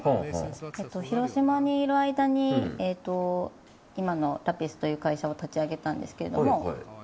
広島にいる間に今のＲＡＰｉＳという会社を立ち上げたんですけど。